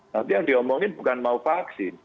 nanti yang diomongin bukan mau vaksin